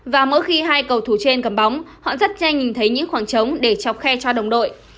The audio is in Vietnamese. và mỗi khi hai cầu thủ trên cầm bóng họ rất nhanh nhìn thấy những khoảng trống để chọc khe cho đồng đội